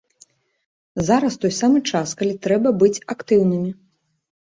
Зараз той самы час, калі трэба быць актыўнымі.